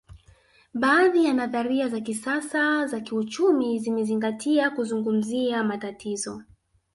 Baadhi ya nadharia za kisasa za kiuchumi zimezingatia kuzungumzia matatizo